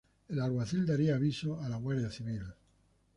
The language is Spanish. El alguacil daría aviso a la Guardia Civil.